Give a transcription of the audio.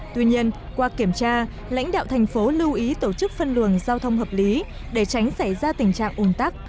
tuy nhiên qua kiểm tra lãnh đạo thành phố lưu ý tổ chức phân luồng giao thông hợp lý để tránh xảy ra tình trạng ủn tắc